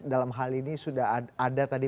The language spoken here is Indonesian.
dalam hal ini sudah ada tadi